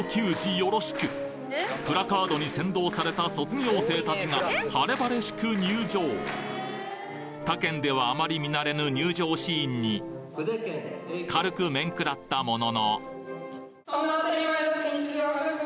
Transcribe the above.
よろしくプラカードに先導された卒業生達が晴々しく入場他県ではあまり見慣れぬ入場シーンに軽く面食らったもののそんな当たり前だった日常を。